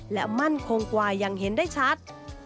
และมั่นคงกว่าอย่างเห็นได้ชัด